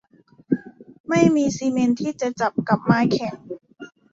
ไม่มีซีเมนต์ที่จะจับกับไม้แข็ง